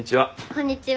こんにちは。